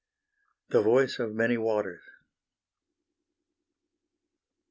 THE VOICE OF MANY WATERS.